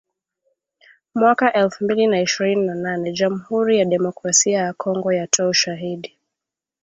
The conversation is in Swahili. mwaka elfu mbili na ishirini na nane jamuhuri ya demokrasia ya Kongo yatoa ushahidi